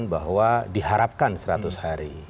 bahwa diharapkan seratus hari